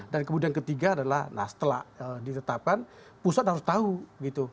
dan kemudian ketiga adalah setelah ditetapkan pusat harus tahu gitu